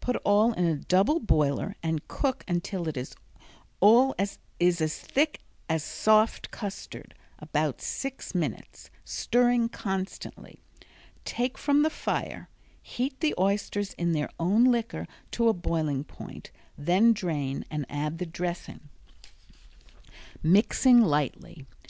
Put all in a double boiler and cook until it all is as thick as soft custard (about six minutes), stirring constantly. Take from the fire. Heat the oysters in their own liquor to a boiling point then drain and add the dressing, mixing lightly.